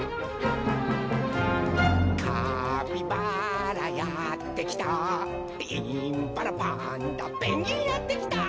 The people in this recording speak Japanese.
「カピバラやってきたインパラパンダペンギンやってきた」